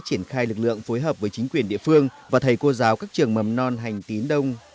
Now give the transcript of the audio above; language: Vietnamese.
triển khai lực lượng phối hợp với chính quyền địa phương và thầy cô giáo các trường mầm non hành tín đông